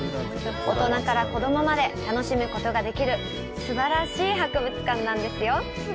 子供から大人まで楽しむことができるすばらしい博物館なんですよ。